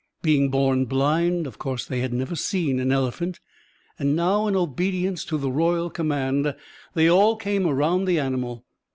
Being bom blind, of course they had never seen an elephant, and now in obedience to the royal command they all came around the animal.